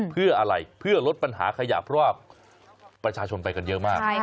เพื่ออะไรเพื่อลดปัญหาขยะเพราะว่าประชาชนไปกันเยอะมาก